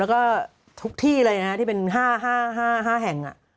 แล้วก็ทุกที่เลยนะฮะที่เป็น๕แห่ง